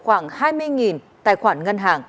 khoảng hai mươi tài khoản ngân hàng